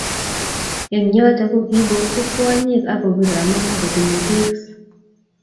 eng yoto kokiibokchi kwonyik ak kobir amu makotinyei teekis